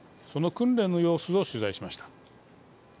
その訓練の様子を取材しました。